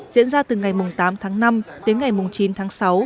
diễn ra từ ngày tám tháng năm đến ngày chín tháng sáu